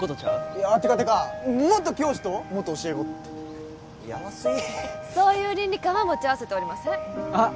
いやてかてか元教師と元教え子ってやらしそういう倫理観は持ち合わせておりませんあっ